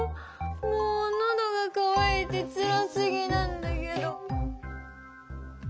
もうのどがかわいてつらすぎなんだけど。